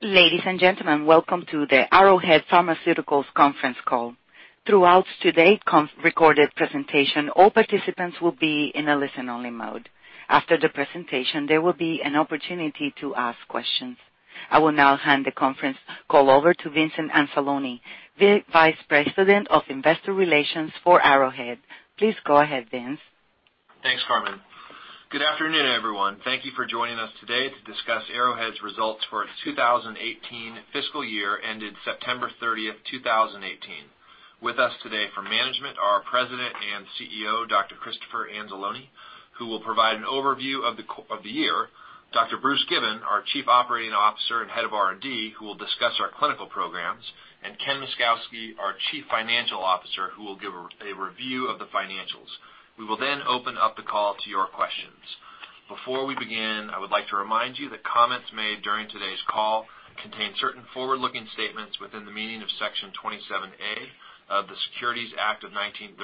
Ladies and gentlemen, welcome to the Arrowhead Pharmaceuticals conference call. Throughout today's recorded presentation, all participants will be in a listen-only mode. After the presentation, there will be an opportunity to ask questions. I will now hand the conference call over to Vincent Anzalone, Vice President of Investor Relations for Arrowhead. Please go ahead, Vince. Thanks, Carmen. Good afternoon, everyone. Thank you for joining us today to discuss Arrowhead's results for its 2018 fiscal year ended September 30, 2018. With us today from management are President and CEO, Dr. Christopher Anzalone, who will provide an overview of the year; Dr. Bruce Given, our Chief Operating Officer and Head of R&D, who will discuss our clinical programs; Ken Myszkowski, our Chief Financial Officer, who will give a review of the financials. We will open up the call to your questions. Before we begin, I would like to remind you that comments made during today's call contain certain forward-looking statements within the meaning of Section 27A of the Securities Act of 1933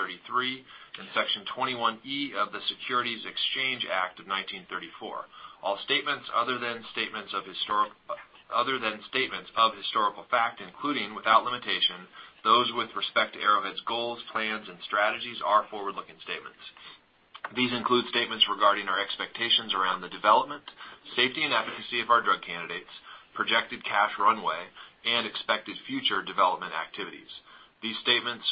and Section 21E of the Securities Exchange Act of 1934. All statements other than statements of historical fact, including, without limitation, those with respect to Arrowhead's goals, plans, and strategies, are forward-looking statements. These include statements regarding our expectations around the development, safety, and efficacy of our drug candidates, projected cash runway, and expected future development activities. These statements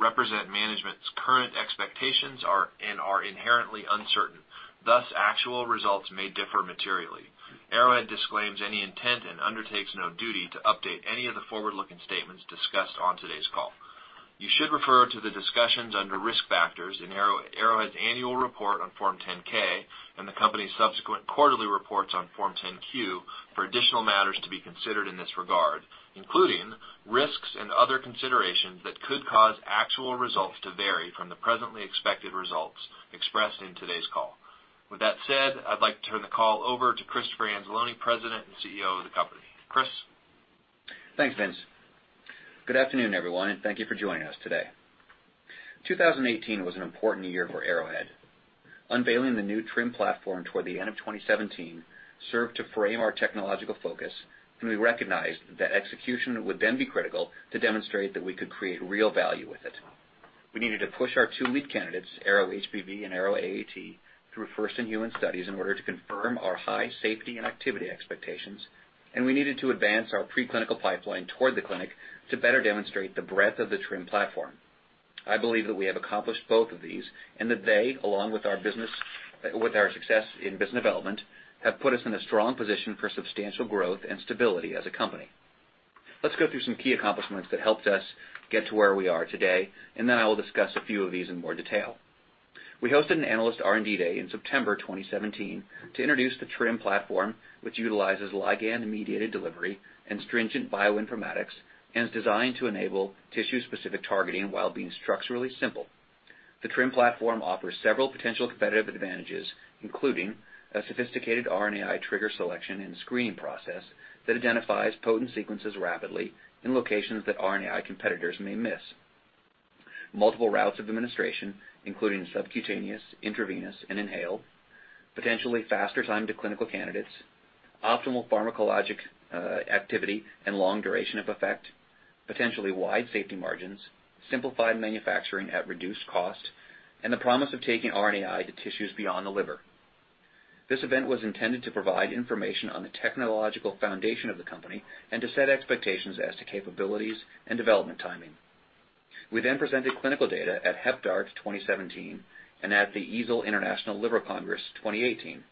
represent management's current expectations and are inherently uncertain. Thus, actual results may differ materially. Arrowhead disclaims any intent and undertakes no duty to update any of the forward-looking statements discussed on today's call. You should refer to the discussions under Risk Factors in Arrowhead's annual report on Form 10-K and the company's subsequent quarterly reports on Form 10-Q for additional matters to be considered in this regard, including risks and other considerations that could cause actual results to vary from the presently expected results expressed in today's call. With that said, I'd like to turn the call over to Christopher Anzalone, President and CEO of the company. Chris? Thanks, Vince. Good afternoon, everyone, and thank you for joining us today. 2018 was an important year for Arrowhead. Unveiling the new TRiM platform toward the end of 2017 served to frame our technological focus. We recognized that execution would then be critical to demonstrate that we could create real value with it. We needed to push our two lead candidates, ARO-HBV and ARO-AAT, through first-in-human studies in order to confirm our high safety and activity expectations. We needed to advance our preclinical pipeline toward the clinic to better demonstrate the breadth of the TRiM platform. I believe that we have accomplished both of these and that they, along with our success in business development, have put us in a strong position for substantial growth and stability as a company. Let's go through some key accomplishments that helped us get to where we are today, and then I will discuss a few of these in more detail. We hosted an analyst R&D day in September 2017 to introduce the TRiM platform, which utilizes ligand-mediated delivery and stringent bioinformatics and is designed to enable tissue-specific targeting while being structurally simple. The TRiM platform offers several potential competitive advantages, including a sophisticated RNAi trigger selection and screening process that identifies potent sequences rapidly in locations that RNAi competitors may miss, multiple routes of administration, including subcutaneous, intravenous, and inhaled, potentially faster time to clinical candidates, optimal pharmacologic activity and long duration of effect, potentially wide safety margins, simplified manufacturing at reduced cost, and the promise of taking RNAi to tissues beyond the liver. We presented clinical data at HepDART 2017 and at the EASL International Liver Congress 2018,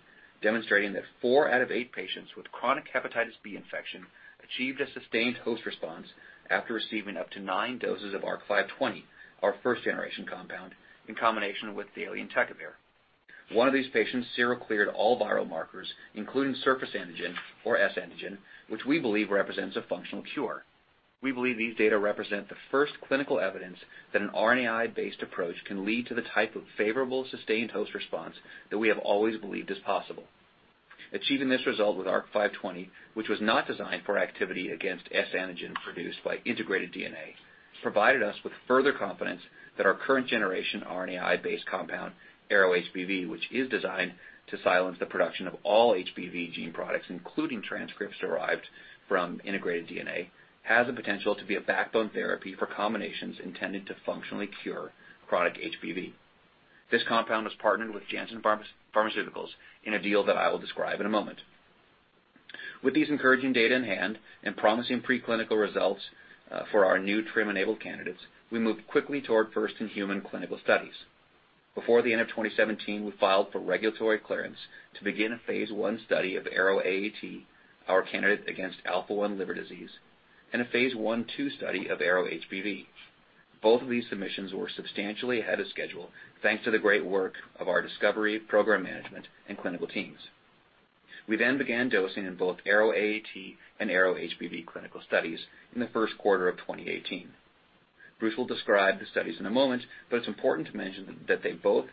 demonstrating that four out of eight patients with chronic hepatitis B infection achieved a sustained host response after receiving up to nine doses of ARC-520, our first-generation compound, in combination with daily entecavir. One of these patients sero-cleared all viral markers, including surface antigen, or S antigen, which we believe represents a functional cure. We believe these data represent the first clinical evidence that an RNAi-based approach can lead to the type of favorable sustained host response that we have always believed is possible. Achieving this result with ARC-520, which was not designed for activity against S antigen produced by integrated DNA, provided us with further confidence that our current generation RNAi-based compound, ARO-HBV, which is designed to silence the production of all HBV gene products, including transcripts derived from integrated DNA, has the potential to be a backbone therapy for combinations intended to functionally cure chronic HBV. This compound was partnered with Janssen Pharmaceuticals in a deal that I will describe in a moment. With these encouraging data in hand and promising preclinical results for our new TRiM-enabled candidates, we moved quickly toward first-in-human clinical studies. Before the end of 2017, we filed for regulatory clearance to begin a phase I study of ARO-AAT, our candidate against alpha-1 liver disease, and a phase I/II study of ARO-HBV. Both of these submissions were substantially ahead of schedule, thanks to the great work of our discovery, program management, and clinical teams. We began dosing in both ARO-AAT and ARO-HBV clinical studies in the first quarter of 2018. Bruce will describe the studies in a moment, but it's important to mention that they both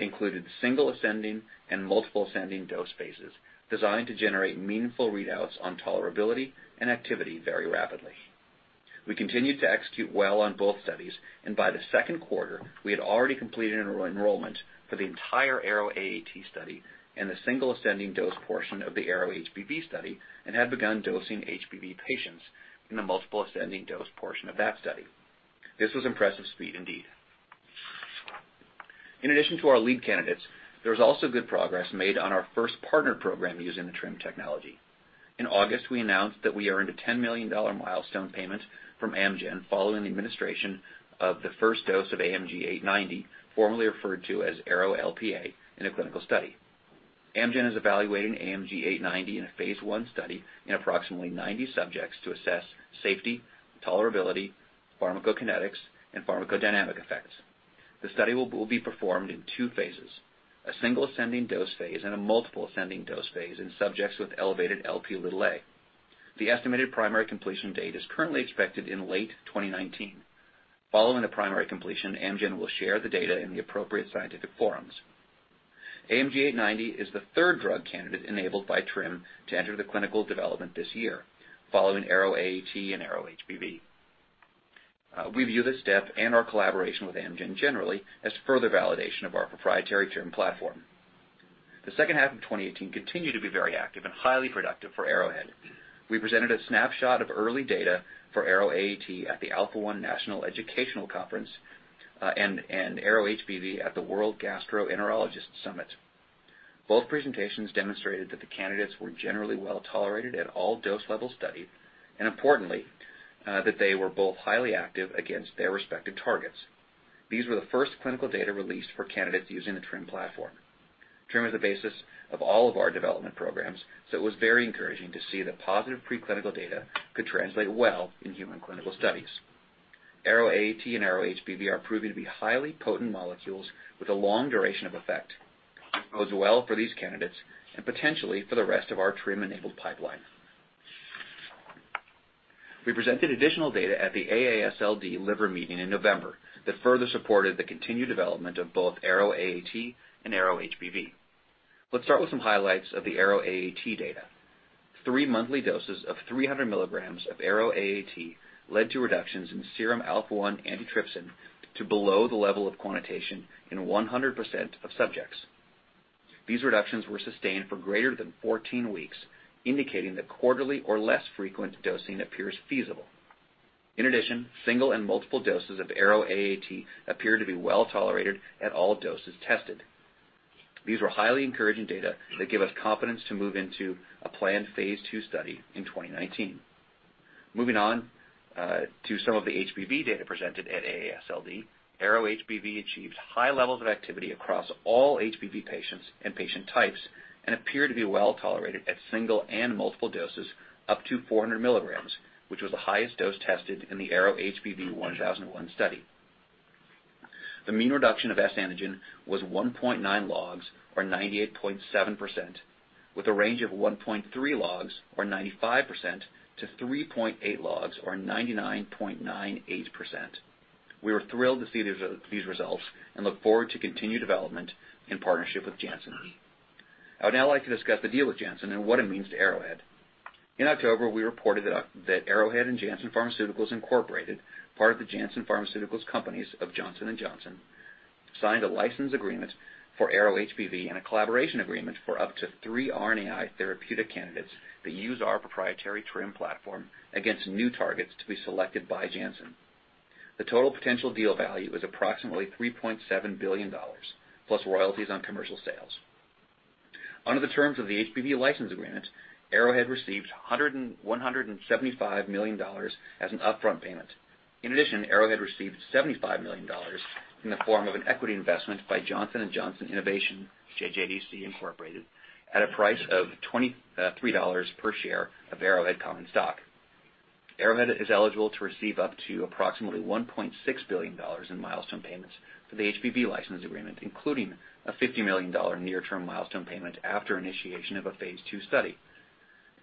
included single ascending and multiple ascending dose phases designed to generate meaningful readouts on tolerability and activity very rapidly. We continued to execute well on both studies, and by the second quarter, we had already completed enrollment for the entire ARO-AAT study and the single ascending dose portion of the ARO-HBV study and had begun dosing HBV patients in the multiple ascending dose portion of that study. This was impressive speed indeed. In addition to our lead candidates, there was also good progress made on our first partner program using the TRiM technology. In August, we announced that we earned a $10 million milestone payment from Amgen following the administration of the first dose of AMG 890, formerly referred to as ARO-LPA, in a clinical study. Amgen is evaluating AMG 890 in a phase I study in approximately 90 subjects to assess safety, tolerability, pharmacokinetics, and pharmacodynamic effects. The study will be performed in two phases: a single ascending dose phase and a multiple ascending dose phase in subjects with elevated Lp(a). The estimated primary completion date is currently expected in late 2019. Following the primary completion, Amgen will share the data in the appropriate scientific forums. AMG 890 is the third drug candidate enabled by TRiM to enter the clinical development this year following ARO-AAT and ARO-HBV. We view this step and our collaboration with Amgen generally as further validation of our proprietary TRiM platform. The second half of 2018 continued to be very active and highly productive for Arrowhead. We presented a snapshot of early data for ARO-AAT at the Alpha-1 National Conference, and ARO-HBV at the World Gastro Summit. Both presentations demonstrated that the candidates were generally well-tolerated at all dose levels studied, and importantly, that they were both highly active against their respective targets. These were the first clinical data released for candidates using the TRiM platform. TRiM is the basis of all of our development programs, it was very encouraging to see that positive preclinical data could translate well in human clinical studies. ARO-AAT and ARO-HBV are proving to be highly potent molecules with a long duration of effect. This bodes well for these candidates and potentially for the rest of our TRiM-enabled pipeline. We presented additional data at The Liver Meeting in November that further supported the continued development of both ARO-AAT and ARO-HBV. Let's start with some highlights of the ARO-AAT data. Three monthly doses of 300 milligrams of ARO-AAT led to reductions in serum alpha-1 antitrypsin to below the level of quantitation in 100% of subjects. These reductions were sustained for greater than 14 weeks, indicating that quarterly or less frequent dosing appears feasible. In addition, single and multiple doses of ARO-AAT appear to be well-tolerated at all doses tested. These were highly encouraging data that give us confidence to move into a planned phase II study in 2019. Moving on to some of the HBV data presented at AASLD. ARO-HBV achieves high levels of activity across all HBV patients and patient types and appear to be well-tolerated at single and multiple doses up to 400 milligrams, which was the highest dose tested in the ARO-HBV 1001 study. The mean reduction of S antigen was 1.9 logs or 98.7%, with a range of 1.3 logs or 95% to 3.8 logs or 99.98%. We were thrilled to see these results and look forward to continued development in partnership with Janssen. I would now like to discuss the deal with Janssen and what it means to Arrowhead. In October, we reported that Arrowhead and Janssen Pharmaceuticals, Inc., part of the Janssen Pharmaceuticals companies of Johnson & Johnson, signed a license agreement for ARO-HBV and a collaboration agreement for up to three RNAi therapeutic candidates that use our proprietary TRiM platform against new targets to be selected by Janssen. The total potential deal value is approximately $3.7 billion, plus royalties on commercial sales. Under the terms of the HBV license agreement, Arrowhead received $175 million as an upfront payment. In addition, Arrowhead received $75 million in the form of an equity investment by Johnson & Johnson Innovation, JJDC Incorporated, at a price of $23 per share of Arrowhead common stock. Arrowhead is eligible to receive up to approximately $1.6 billion in milestone payments for the HBV license agreement, including a $50 million near-term milestone payment after initiation of a phase II study.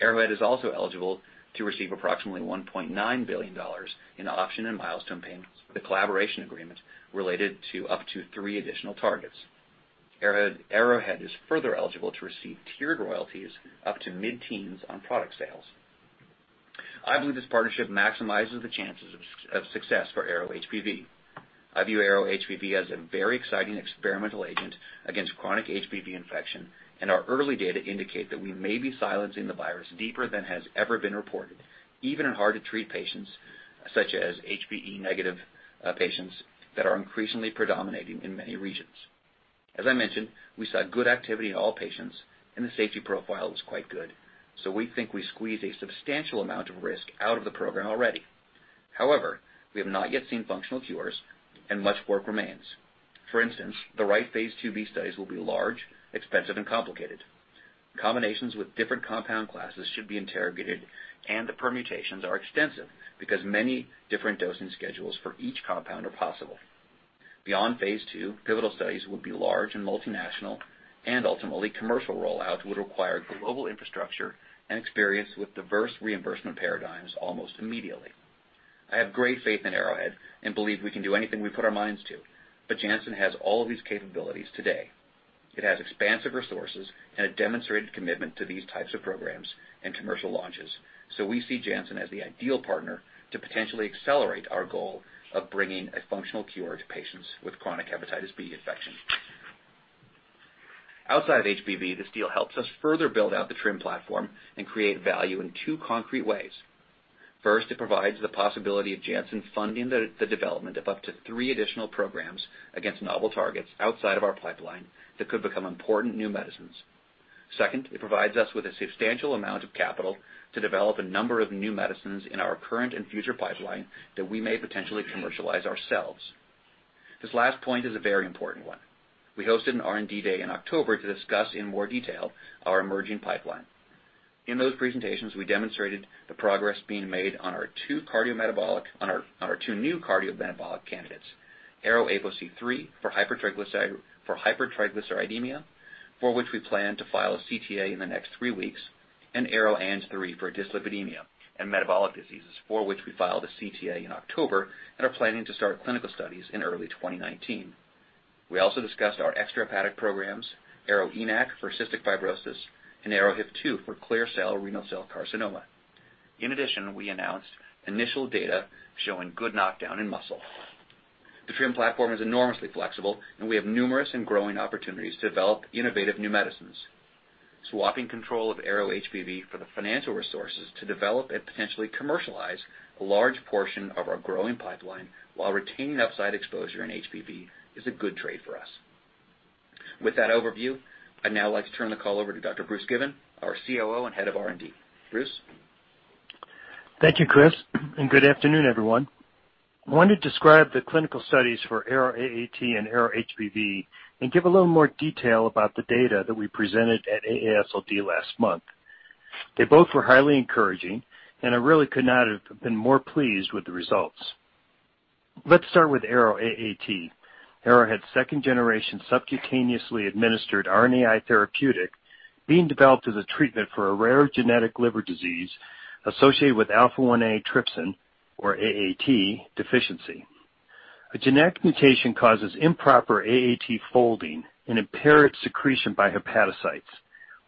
Arrowhead is also eligible to receive approximately $1.9 billion in option and milestone payments for the collaboration agreement related to up to three additional targets. Arrowhead is further eligible to receive tiered royalties up to mid-teens on product sales. I believe this partnership maximizes the chances of success for ARO-HBV. I view ARO-HBV as a very exciting experimental agent against chronic HBV infection. Our early data indicate that we may be silencing the virus deeper than has ever been reported, even in hard-to-treat patients, such as HBe negative patients that are increasingly predominating in many regions. As I mentioned, we saw good activity in all patients and the safety profile was quite good. We think we squeezed a substantial amount of risk out of the program already. However, we have not yet seen functional cures and much work remains. For instance, the right phase II-B studies will be large, expensive, and complicated. Combinations with different compound classes should be interrogated, and the permutations are extensive because many different dosing schedules for each compound are possible. Beyond phase II, pivotal studies will be large and multinational. Ultimately, commercial rollout would require global infrastructure and experience with diverse reimbursement paradigms almost immediately. I have great faith in Arrowhead and believe we can do anything we put our minds to, but Janssen has all of these capabilities today. It has expansive resources and a demonstrated commitment to these types of programs and commercial launches. We see Janssen as the ideal partner to potentially accelerate our goal of bringing a functional cure to patients with chronic hepatitis B infection. Outside of HBV, this deal helps us further build out the TRiM platform and create value in two concrete ways. First, it provides the possibility of Janssen funding the development of up to three additional programs against novel targets outside of our pipeline that could become important new medicines. Second, it provides us with a substantial amount of capital to develop a number of new medicines in our current and future pipeline that we may potentially commercialize ourselves. This last point is a very important one. We hosted an R&D day in October to discuss in more detail our emerging pipeline. In those presentations, we demonstrated the progress being made on our two new cardiometabolic candidates, ARO-APOC3 for hypertriglyceridemia, for which we plan to file a CTA in the next three weeks, and ARO-ANG3 for dyslipidemia and metabolic diseases, for which we filed a CTA in October and are planning to start clinical studies in early 2019. We also discussed our extrahepatic programs, ARO-ENaC for cystic fibrosis and ARO-HIF2 for clear cell renal cell carcinoma. We announced initial data showing good knockdown in muscle. The TRiM platform is enormously flexible, and we have numerous and growing opportunities to develop innovative new medicines. Swapping control of ARO-HBV for the financial resources to develop and potentially commercialize a large portion of our growing pipeline while retaining upside exposure in HBV is a good trade for us. With that overview, I'd now like to turn the call over to Dr. Bruce Given, our COO and Head of R&D. Bruce? Thank you, Chris, and good afternoon, everyone. I want to describe the clinical studies for ARO-AAT and ARO-HBV and give a little more detail about the data that we presented at AASLD last month. They both were highly encouraging, and I really could not have been more pleased with the results. Let's start with ARO-AAT. Arrowhead's second-generation subcutaneously administered RNAi therapeutic being developed as a treatment for a rare genetic liver disease associated with alpha-1 antitrypsin, or AAT, deficiency. A genetic mutation causes improper AAT folding and impaired secretion by hepatocytes,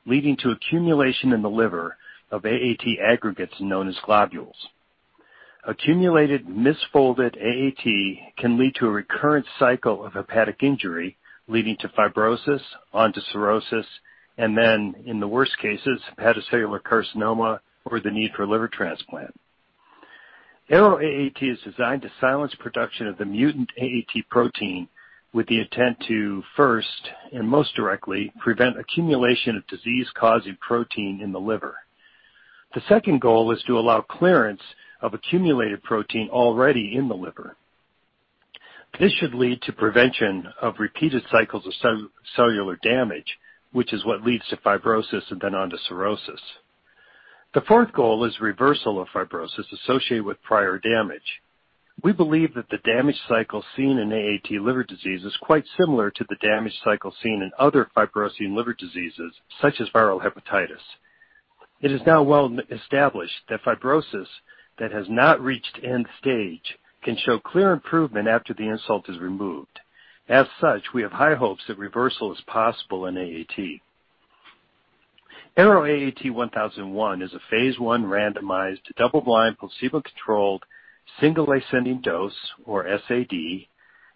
leading to accumulation in the liver of AAT aggregates known as globules. Accumulated misfolded AAT can lead to a recurrent cycle of hepatic injury, leading to fibrosis, onto cirrhosis, and then, in the worst cases, hepatocellular carcinoma or the need for liver transplant. ARO-AAT is designed to silence production of the mutant AAT protein with the intent to first, and most directly, prevent accumulation of disease-causing protein in the liver. The second goal is to allow clearance of accumulated protein already in the liver. This should lead to prevention of repeated cycles of cellular damage, which is what leads to fibrosis and then onto cirrhosis. The fourth goal is reversal of fibrosis associated with prior damage. We believe that the damage cycle seen in AAT liver disease is quite similar to the damage cycle seen in other fibrosing liver diseases, such as viral hepatitis. It is now well established that fibrosis that has not reached end stage can show clear improvement after the insult is removed. As such, we have high hopes that reversal is possible in AAT. AROAAT1001 is a phase I randomized, double-blind, placebo-controlled, single ascending dose, or SAD,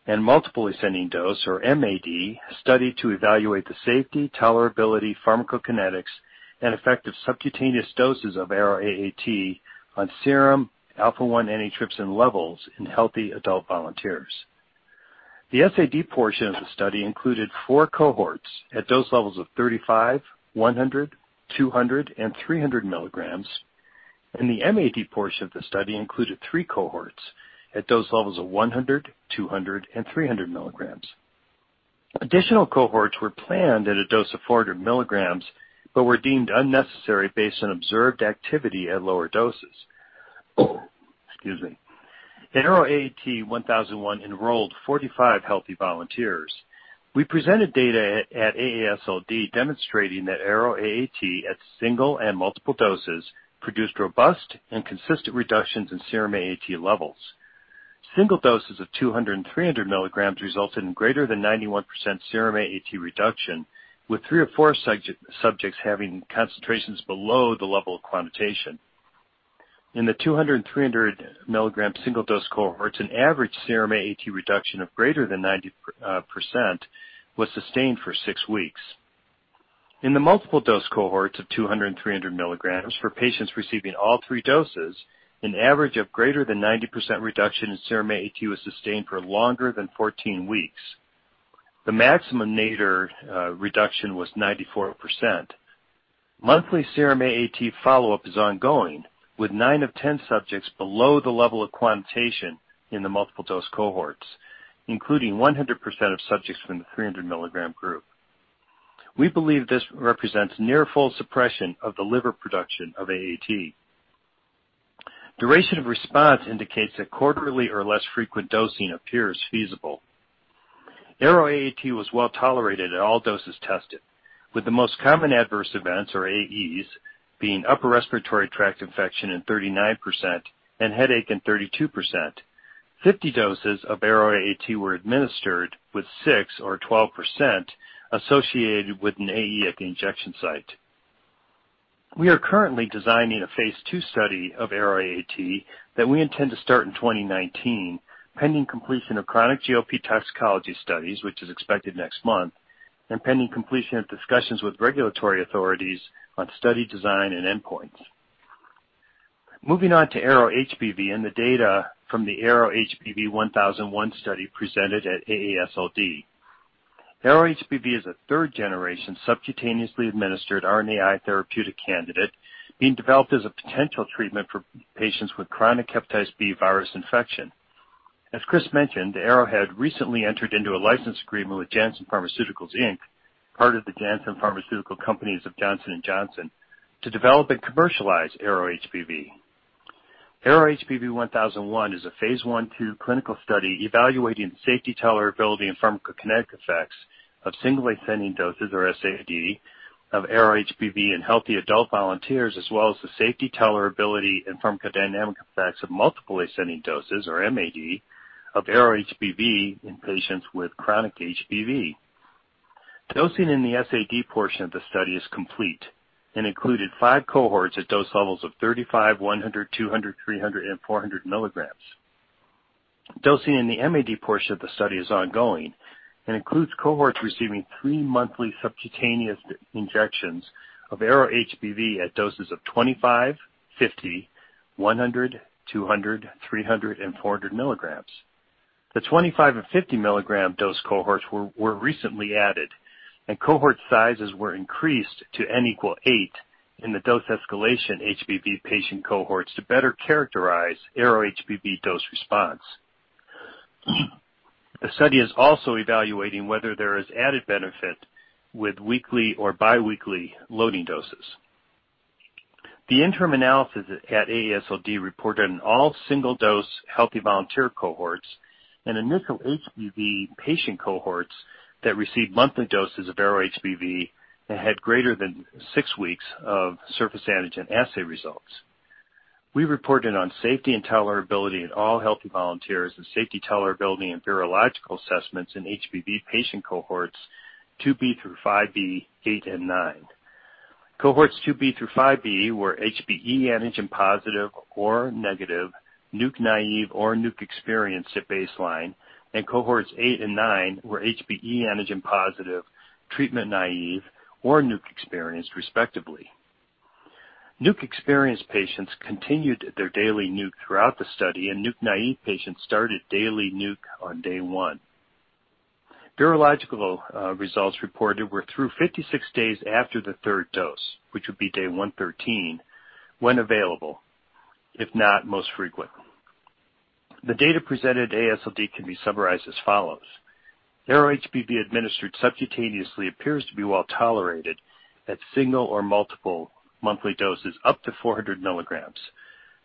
and multiple ascending dose, or MAD, study to evaluate the safety, tolerability, pharmacokinetics, and effect of subcutaneous doses of ARO-AAT on serum alpha-1 antitrypsin levels in healthy adult volunteers. The SAD portion of the study included four cohorts at dose levels of 35, 100, 200, and 300 milligrams, and the MAD portion of the study included three cohorts at dose levels of 100, 200, and 300 mg. Additional cohorts were planned at a dose of 400 mg but were deemed unnecessary based on observed activity at lower doses. Excuse me. AROAAT1001 enrolled 45 healthy volunteers. We presented data at AASLD demonstrating that ARO-AAT at single and multiple doses produced robust and consistent reductions in serum AAT levels. Single doses of 200 and 300 mg resulted in greater than 91% serum AAT reduction, with three or four subjects having concentrations below the level of quantitation. In the 200 and 300 mg single dose cohorts, an average serum AAT reduction of greater than 90% was sustained for six weeks. In the multiple dose cohorts of 200 and 300 milligrams for patients receiving all three doses, an average of greater than 90% reduction in serum AAT was sustained for longer than 14 weeks. The maximum nadir reduction was 94%. Monthly serum AAT follow-up is ongoing, with nine of 10 subjects below the level of quantitation in the multiple dose cohorts, including 100% of subjects from the 300 mg group. We believe this represents near full suppression of the liver production of AAT. Duration of response indicates that quarterly or less frequent dosing appears feasible. ARO-AAT was well-tolerated at all doses tested, with the most common adverse events, or AEs, being upper respiratory tract infection in 39% and headache in 32.5%. 50 doses of ARO-AAT were administered with six or 12% associated with an AE at the injection site. We are currently designing a phase II study of ARO-AAT that we intend to start in 2019, pending completion of chronic GLP toxicology studies, which is expected next month, and pending completion of discussions with regulatory authorities on study design and endpoints. Moving on to ARO-HBV and the data from the AROHBV1001 study presented at AASLD. ARO-HBV is a third generation subcutaneously administered RNAi therapeutic candidate being developed as a potential treatment for patients with chronic hepatitis B virus infection. As Chris mentioned, Arrowhead recently entered into a license agreement with Janssen Pharmaceuticals Inc, part of the Janssen Pharmaceutical Companies of Johnson & Johnson, to develop and commercialize ARO-HBV. AROHBV1001 is a phase I/II clinical study evaluating safety, tolerability, and pharmacokinetic effects of single ascending doses, or SAD, of ARO-HBV in healthy adult volunteers, as well as the safety, tolerability, and pharmacodynamic effects of multiple ascending doses, or MAD, of ARO-HBV in patients with chronic HBV. Dosing in the SAD portion of the study is complete and included five cohorts at dose levels of 35, 100, 200, 300, and 400 mg. Dosing in the MAD portion of the study is ongoing and includes cohorts receiving three monthly subcutaneous injections of ARO-HBV at doses of 25, 50, 100, 200, 300, and 400 mg. The 25 and 50 mg dose cohorts were recently added, and cohort sizes were increased to N equal eight in the dose escalation HBV patient cohorts to better characterize ARO-HBV dose response. The study is also evaluating whether there is added benefit with weekly or biweekly loading doses. The interim analysis at AASLD reported on all single-dose healthy volunteer cohorts and initial HBV patient cohorts that received monthly doses of ARO-HBV and had greater than six weeks of surface antigen assay results. We reported on safety and tolerability in all healthy volunteers and safety tolerability and virological assessments in HBV patient cohorts 2B through 5B, eight, and nine. Cohorts 2B through 5B were HBeAg positive or negative, NUC naive or NUC-experienced at baseline. Cohorts eight and nine were HBeAg positive, treatment naive, or NUC experienced respectively. NUC-experienced patients continued their daily NUC throughout the study, and NUC-naive patients started daily NUC on day one. Virological results reported were through 56 days after the third dose, which would be day 113, when available, if not most frequent. The data presented at AASLD can be summarized as follows. ARO-HBV administered subcutaneously appears to be well tolerated at single or multiple monthly doses up to 400 mg.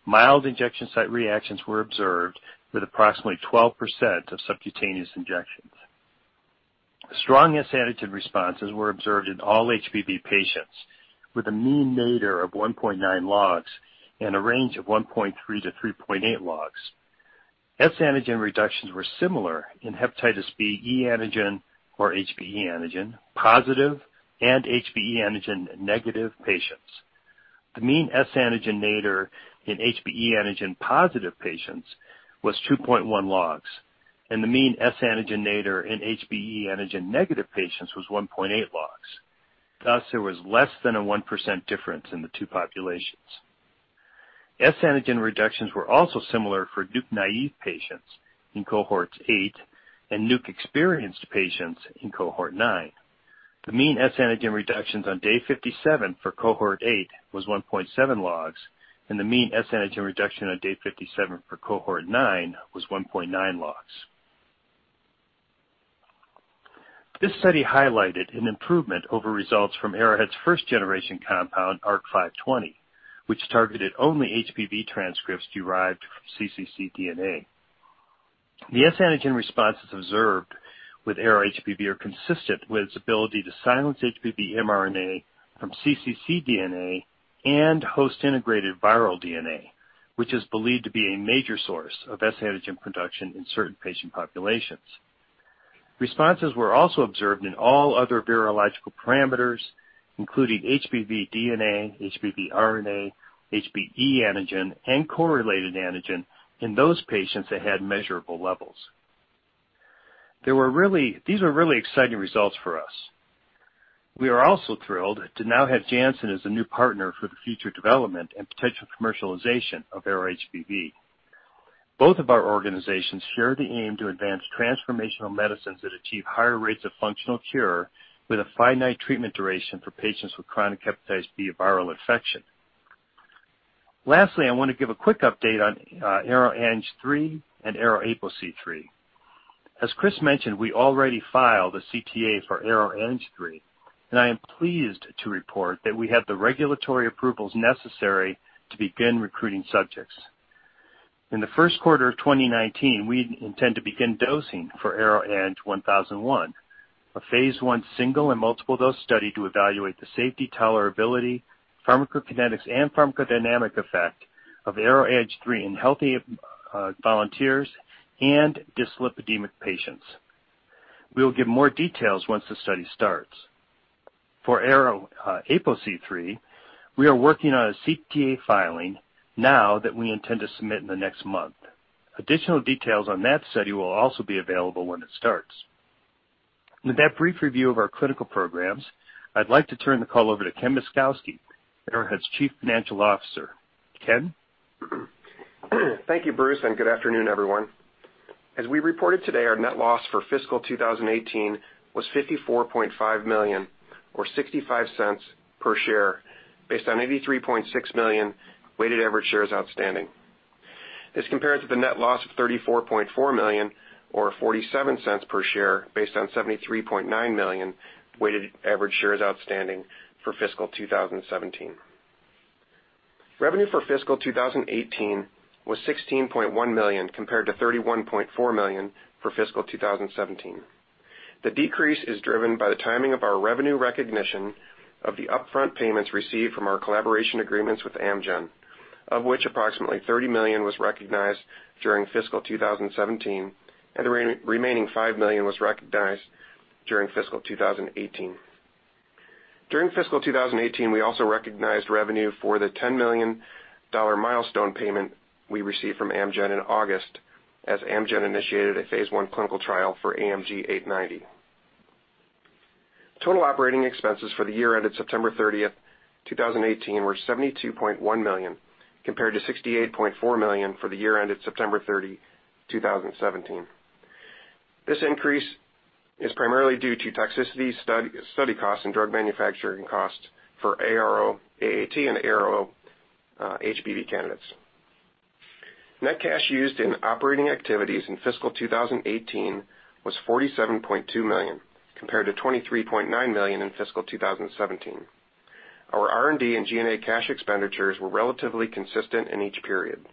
Mild injection site reactions were observed with approximately 12% of subcutaneous injections. Strong S antigen responses were observed in all HBV patients wit h a mean NATR of 1.9 logs and a range of 1.3 to 3.8 logs. S antigen reductions were similar in HBe antigen positive and HBe antigen negative patients. The mean S antigen NATR in HBe antigen positive patients was 2.1 logs, and the mean S antigen NATR in HBe antigen negative patients was 1.8 logs. Thus, there was less than a 1% difference in the two populations. S antigen reductions were also similar for NUC-naive patients in cohorts eight and NUC-experienced patients in cohort nine. The mean S antigen reductions on day 57 for cohort eight was 1.7 logs, and the mean S antigen reduction on day 57 for cohort nine was 1.9 logs. This study highlighted an improvement over results from Arrowhead's first-generation compound, ARC-520, which targeted only HBV transcripts derived from cccDNA. The S antigen responses observed with ARO-HBV are consistent with its ability to silence HBV mRNA from cccDNA and host integrated viral DNA, which is believed to be a major source of S antigen production in certain patient populations. Responses were also observed in all other virological parameters, including HBV DNA, HBV RNA, HBe antigen, and core-related antigen in those patients that had measurable levels. These were really exciting results for us. We are also thrilled to now have Janssen as a new partner for the future development and potential commercialization of ARO-HBV. Both of our organizations share the aim to advance transformational medicines that achieve higher rates of functional cure with a finite treatment duration for patients with chronic hepatitis B viral infection. Lastly, I want to give a quick update on ARO-ANG3 and ARO-APOC3. As Chris mentioned, we already filed a CTA for ARO-ANG3, and I am pleased to report that we have the regulatory approvals necessary to begin recruiting subjects. In the first quarter of 2019, we intend to begin dosing for AROANG1001A Phase I single and multiple dose study to evaluate the safety tolerability, pharmacokinetics, and pharmacodynamic effect of ARO-ANG3 in healthy volunteers and dyslipidemic patients. We'll give more details once the study starts. For ARO-APOC3, we are working on a CTA filing now that we intend to submit in the next month. Additional details on that study will also be available when it starts. With that brief review of our clinical programs, I'd like to turn the call over to Ken Myszkowski, Arrowhead's Chief Financial Officer. Ken? Thank you, Bruce, and good afternoon, everyone. As we reported today, our net loss for fiscal 2018 was $54.5 million or $0.65 per share based on 83.6 million weighted average shares outstanding. This compares with the net loss of $34.4 million or $0.47 per share based on 73.9 million weighted average shares outstanding for fiscal 2017. Revenue for fiscal 2018 was $16.1 million compared to $31.4 million for fiscal 2017. The decrease is driven by the timing of our revenue recognition of the upfront payments received from our collaboration agreements with Amgen, of which approximately $30 million was recognized during fiscal 2017, and the remaining $5 million was recognized during fiscal 2018. During fiscal 2018, we also recognized revenue for the $10 million milestone payment we received from Amgen in August, as Amgen initiated a phase I clinical trial for AMG 890. Total operating expenses for the year ended September 30th, 2018, were $72.1 million, compared to $68.4 million for the year ended September 30, 2017. This increase is primarily due to toxicity study costs and drug manufacturing costs for ARO-AAT and ARO-HBV candidates. Net cash used in operating activities in fiscal 2018 was $47.2 million, compared to $23.9 million in fiscal 2017. Our R&D and G&A cash expenditures were relatively consistent in each period.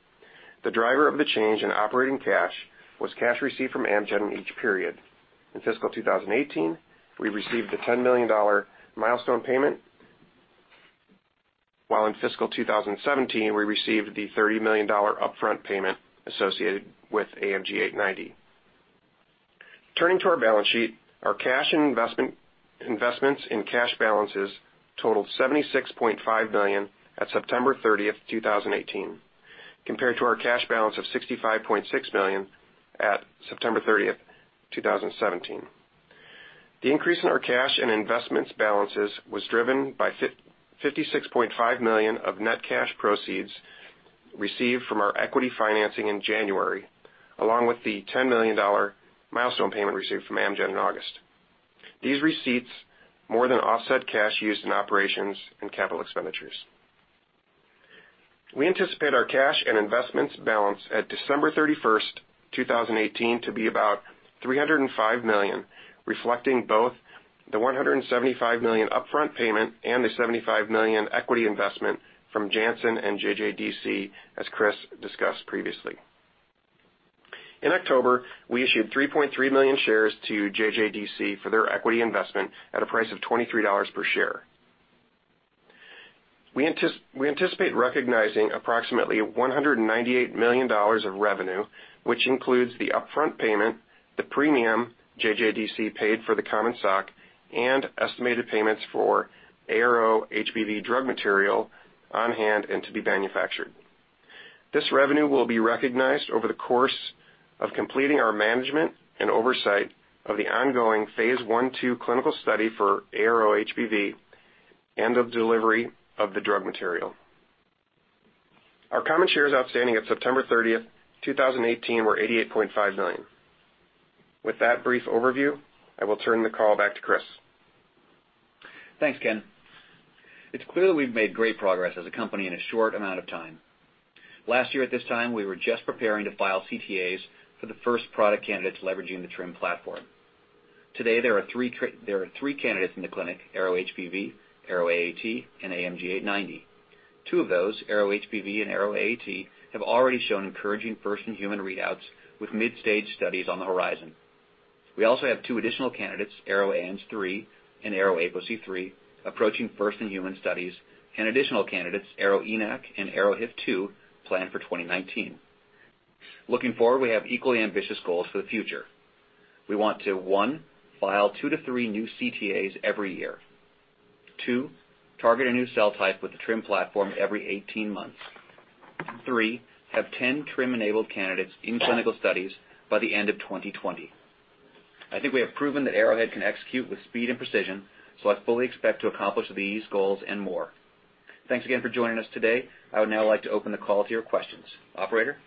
The driver of the change in operating cash was cash received from Amgen in each period. In fiscal 2018, we received the $10 million milestone payment, while in fiscal 2017, we received the $30 million upfront payment associated with AMG 890. Turning to our balance sheet, our cash investments and cash balances totaled $76.5 million at September 30th, 2018, compared to our cash balance of $65.6 million at September 30th, 2017. The increase in our cash and investments balances was driven by $56.5 million of net cash proceeds received from our equity financing in January, along with the $10 million milestone payment received from Amgen in August. These receipts more than offset cash used in operations and capital expenditures. We anticipate our cash and investments balance at December 31st, 2018, to be about $305 million, reflecting both the $175 million upfront payment and the $75 million equity investment from Janssen and JJDC, as Chris discussed previously. In October, we issued 3.3 million shares to JJDC for their equity investment at a price of $23 per share. We anticipate recognizing approximately $198 million of revenue, which includes the upfront payment, the premium JJDC paid for the common stock, and estimated payments for ARO-HBV drug material on hand and to be manufactured. This revenue will be recognized over the course of completing our management and oversight of the ongoing phase I/II clinical study for ARO-HBV and of delivery of the drug material. Our common shares outstanding at September 30th, 2018, were 88.5 million. With that brief overview, I will turn the call back to Chris. Thanks, Ken. It's clear we've made great progress as a company in a short amount of time. Last year at this time, we were just preparing to file CTAs for the first product candidates leveraging the TRiM platform. Today, there are three candidates in the clinic, ARO-HBV, ARO-AAT, and AMG 890. Two of those, ARO-HBV and ARO-AAT, have already shown encouraging first-in-human readouts with mid-stage studies on the horizon. We also have two additional candidates, ARO-ANG3 and ARO-APOC3, approaching first-in-human studies and additional candidates, ARO-ENaC and ARO-HIF2, planned for 2019. Looking forward, we have equally ambitious goals for the future. We want to, one, file two to three new CTAs every year. Two, target a new cell type with the TRiM platform every 18 months. Three, have 10 TRiM-enabled candidates in clinical studies by the end of 2020. I think we have proven that Arrowhead can execute with speed and precision, I fully expect to accomplish these goals and more. Thanks again for joining us today. I would now like to open the call to your questions. Operator?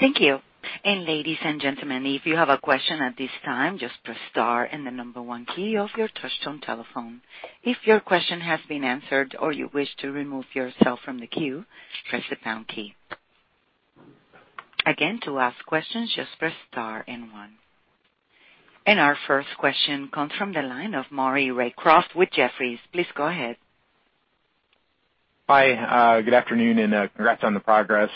Thank you. Ladies and gentlemen, if you have a question at this time, just press star and the number one key of your touchtone telephone. If your question has been answered or you wish to remove yourself from the queue, press the pound key. Again, to ask questions, just press star and one. Our first question comes from the line of Maury Raycroft with Jefferies. Please go ahead. Hi. Good afternoon, congrats on the progress.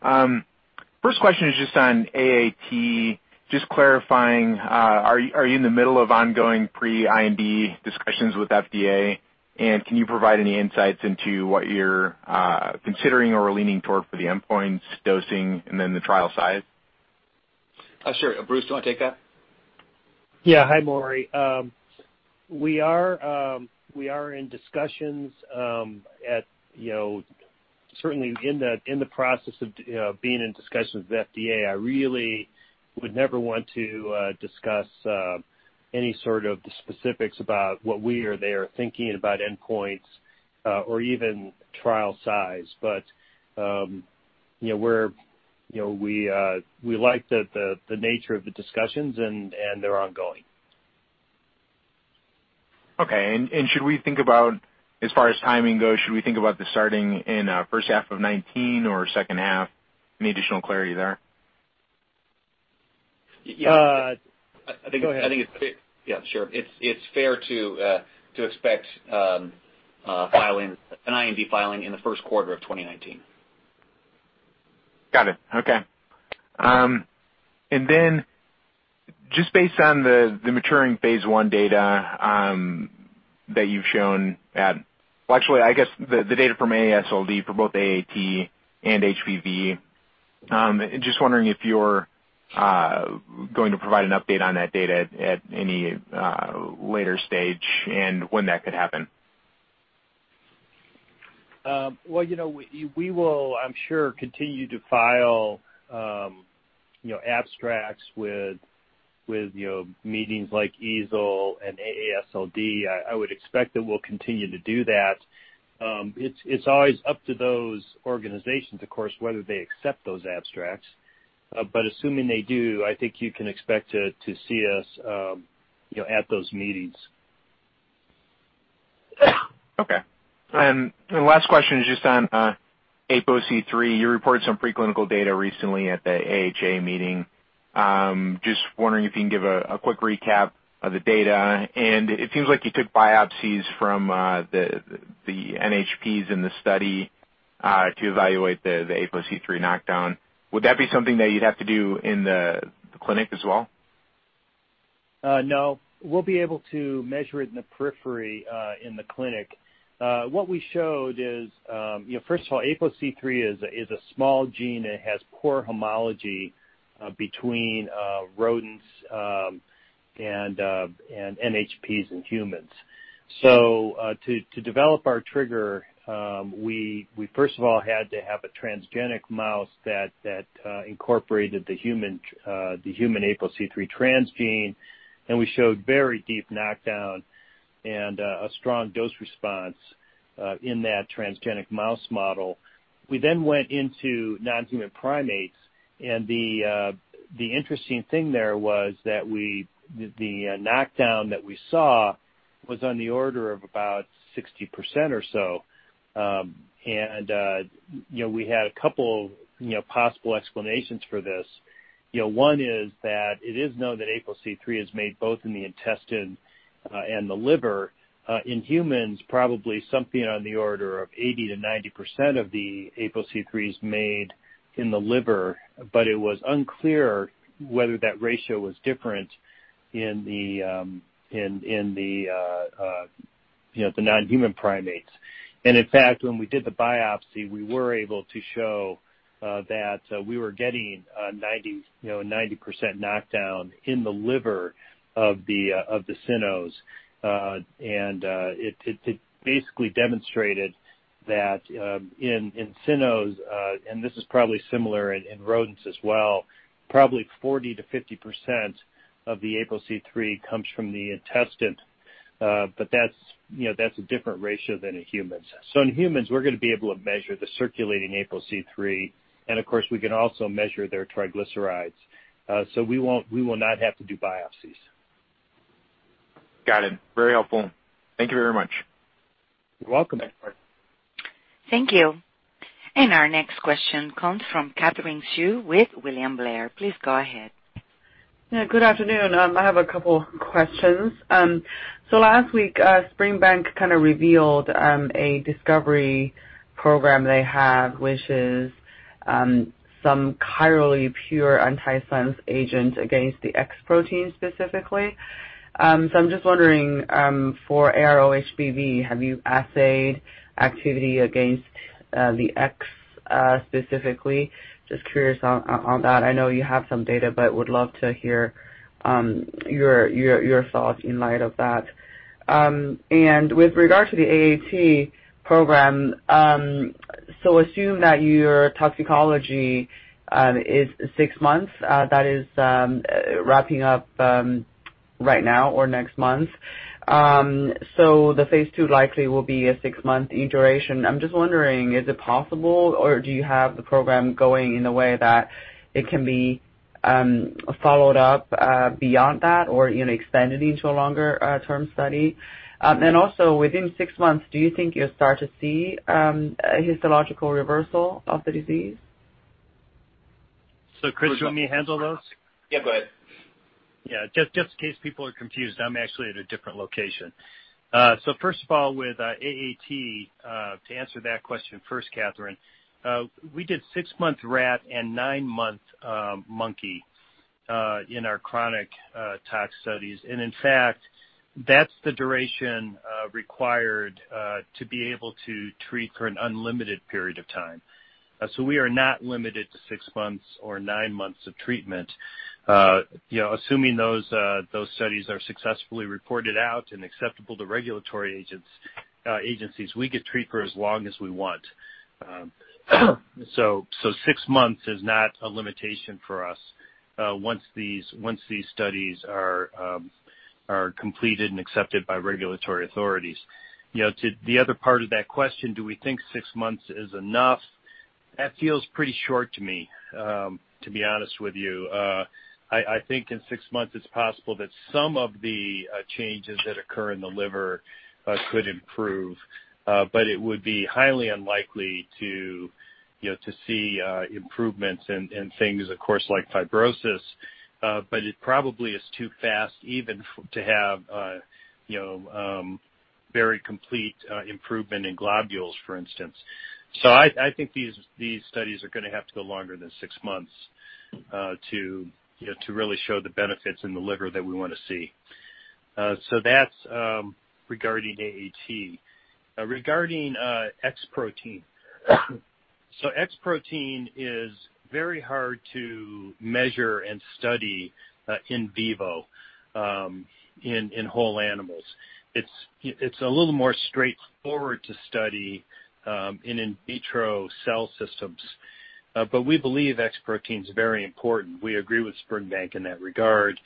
First question is just on AAT, just clarifying, are you in the middle of ongoing pre-IND discussions with FDA? Can you provide any insights into what you're considering or leaning toward for the endpoints dosing and then the trial size? Sure. Bruce, do you want to take that? Yeah. Hi, Maury. We are in discussions at, certainly in the process of being in discussions with FDA. I really would never want to discuss any sort of specifics about what we or they are thinking about endpoints, or even trial size. We like the nature of the discussions and they're ongoing. Okay. As far as timing goes, should we think about the starting in first half of 2019 or second half? Any additional clarity there? Go ahead. Yeah, sure. It's fair to expect an IND filing in the first quarter of 2019. Got it. Okay. Then just based on the maturing phase I data that you've shown at Well, actually, I guess the data from AASLD for both AAT and HBV. Wondering if you're going to provide an update on that data at any later stage and when that could happen. Well, we will, I'm sure, continue to file abstracts with meetings like EASL and AASLD. I would expect that we'll continue to do that. It's always up to those organizations, of course, whether they accept those abstracts. Assuming they do, I think you can expect to see us at those meetings. Okay. The last question is just on APOC3. You reported some preclinical data recently at the AHA meeting. Wondering if you can give a quick recap of the data. It seems like you took biopsies from the NHPs in the study to evaluate the APOC3 knockdown. Would that be something that you'd have to do in the clinic as well? No, we'll be able to measure it in the periphery, in the clinic. What we showed is, first of all, APOC3 is a small gene that has poor homology between rodents and NHPs in humans. To develop our trigger, we first of all had to have a transgenic mouse that incorporated the human APOC3 transgene, and we showed very deep knockdown and a strong dose response in that transgenic mouse model. We then went into non-human primates, and the interesting thing there was that the knockdown that we saw was on the order of about 60% or so. We had a couple possible explanations for this. One is that it is known that APOC3 is made both in the intestine and the liver. In humans, probably something on the order of 80%-90% of the APOC3 is made in the liver, but it was unclear whether that ratio was different in the non-human primates. In fact, when we did the biopsy, we were able to show that we were getting 90% knockdown in the liver of the cynos. It basically demonstrated that in cynos, and this is probably similar in rodents as well, probably 40%-50% of the APOC3 comes from the intestine. That's a different ratio than in humans. In humans, we're going to be able to measure the circulating APOC3, and of course, we can also measure their triglycerides. We will not have to do biopsies. Got it. Very helpful. Thank you very much. You're welcome. Thanks. Thank you. Our next question comes from Katherine Xu with William Blair. Please go ahead. Yeah, good afternoon. I have a couple questions. Last week, Spring Bank kind of revealed a discovery program they have, which is some chirally pure antisense agent against the X protein specifically. I'm just wondering, for ARO-HBV, have you assayed activity against the X specifically? Just curious on that. I know you have some data, but would love to hear your thoughts in light of that. With regard to the AAT program, assume that your toxicology is six months. That is wrapping up right now or next month. The phase II likely will be a six-month duration. I'm just wondering, is it possible, or do you have the program going in a way that it can be followed up beyond that or extended into a longer-term study? Also, within six months, do you think you'll start to see histological reversal of the disease? Chris, you want me to handle those? Yeah, go ahead. Just in case people are confused, I'm actually at a different location. First of all, with AAT, to answer that question first, Catherine, we did six-month rat and nine-month monkey in our chronic tox studies. In fact, that's the duration required to be able to treat for an unlimited period of time. We are not limited to six months or nine months of treatment. Assuming those studies are successfully reported out and acceptable to regulatory agencies, we could treat for as long as we want. Six months is not a limitation for us once these studies are completed and accepted by regulatory authorities. To the other part of that question, do we think six months is enough? That feels pretty short to me, to be honest with you. I think in six months it's possible that some of the changes that occur in the liver could improve. It would be highly unlikely to see improvements in things, of course, like fibrosis. It probably is too fast even to have very complete improvement in globules, for instance. I think these studies are going to have to go longer than six months to really show the benefits in the liver that we want to see. That's regarding AAT. Regarding X protein. X protein is very hard to measure and study in vivo, in whole animals. It's a little more straightforward to study in in vitro cell systems. We believe X protein's very important. We agree with Spring Bank in that regard.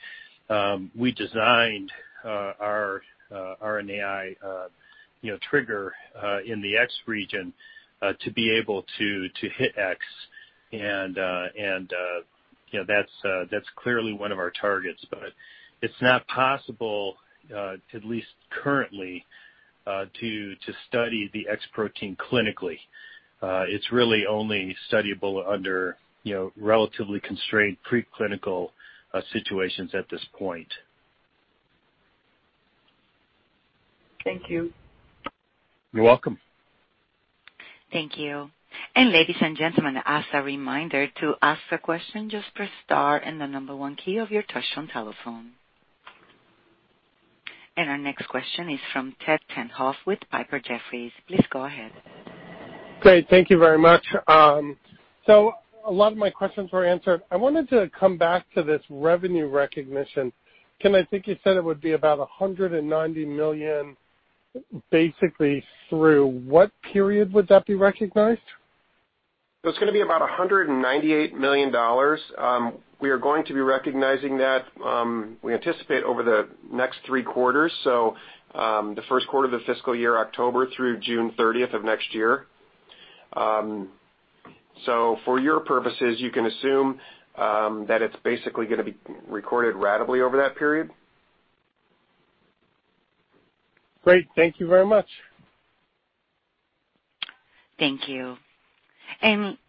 We designed our RNAi trigger in the X region, to be able to hit X and that's clearly one of our targets. It's not possible, at least currently, to study the X protein clinically. It's really only studiable under relatively constrained pre-clinical situations at this point. Thank you. You're welcome. Thank you. Ladies and gentlemen, as a reminder, to ask a question, just press star and the number one key of your touch-tone telephone. Our next question is from Ted Tenthoff with Piper Jaffray. Please go ahead. Great. Thank you very much. A lot of my questions were answered. I wanted to come back to this revenue recognition. Ken, I think you said it would be about $190 million, basically through what period would that be recognized? It's going to be about $198 million. We are going to be recognizing that we anticipate over the next three quarters. The first quarter of the fiscal year, October through June 30th of next year. For your purposes, you can assume that it's basically going to be recorded ratably over that period. Great. Thank you very much. Thank you.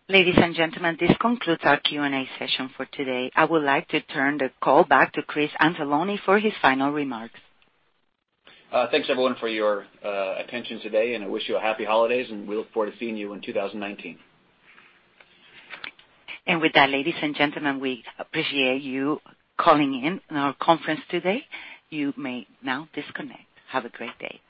Ladies and gentlemen, this concludes our Q&A session for today. I would like to turn the call back to Chris Anzalone for his final remarks. Thanks everyone for your attention today, and I wish you a happy holidays, and we look forward to seeing you in 2019. With that, ladies and gentlemen, we appreciate you calling in on our conference today. You may now disconnect. Have a great day.